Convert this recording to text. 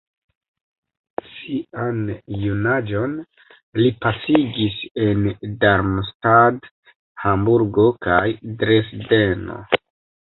Sian junaĝon li pasigis en Darmstadt, Hamburgo kaj Dresdeno.